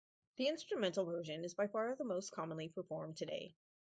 The instrumental version is by far the most commonly performed today.